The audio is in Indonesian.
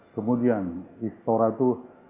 kemudian istora tuh